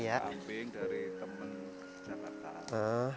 ambing dari teman jakarta